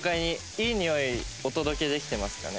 いいにおいお届けできてますかね？